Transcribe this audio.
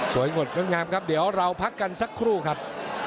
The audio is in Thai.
งดงดงามครับเดี๋ยวเราพักกันสักครู่ครับ